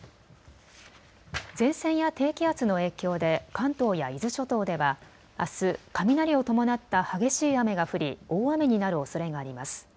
前線や低気圧の影響で関東や伊豆諸島ではあす雷を伴った激しい雨が降り大雨になるおそれがあります。